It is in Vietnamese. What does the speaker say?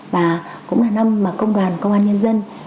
và cũng là năm mà công đoàn công an nhân dân